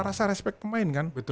rasa respect pemain kan